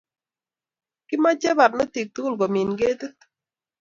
Kimache barnotik tukul komin ketit